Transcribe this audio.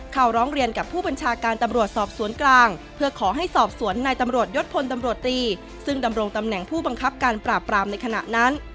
ร้องเรียนกับผู้บัญชาการตำรวจสอบสวนกลางเพื่อขอให้สอบสวนในตำรวจยศพลตำรวจตรีซึ่งดำรงตำแหน่งผู้บังคับการปราบปรามในขณะนั้น